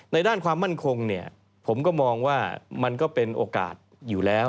ด้านความมั่นคงเนี่ยผมก็มองว่ามันก็เป็นโอกาสอยู่แล้ว